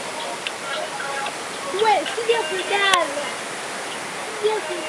kuna mitandao mingi sana ya ufuatiliaji ilhali katika sehemu nyingine